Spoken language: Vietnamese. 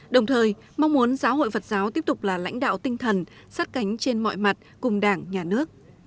đồng thời mong muốn giáo hội phật giáo tiếp tục là lãnh đạo tinh thần sát cánh trên mọi mặt cùng đảng nhà nước